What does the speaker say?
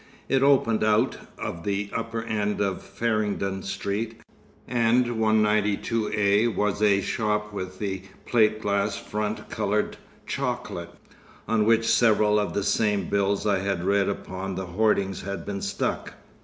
It opened out of the upper end of Farringdon Street, and 192A was a shop with the plate glass front coloured chocolate, on which several of the same bills I had read upon the hoardings had been stuck.